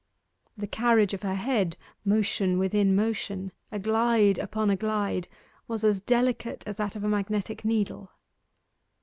The carriage of her head motion within motion a glide upon a glide was as delicate as that of a magnetic needle.